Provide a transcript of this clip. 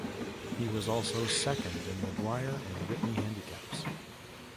He was also second in the Dwyer and Whitney Handicaps.